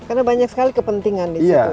karena banyak sekali kepentingan di situ